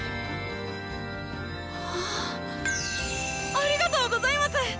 ありがとうございます！